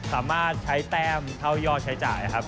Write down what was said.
สามารถใช้แต้มเท่ายอดใช้จ่ายครับ